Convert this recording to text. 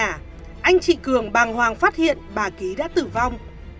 trong nhà anh chị cường bàng hoàng phát hiện bà ký đã tử vong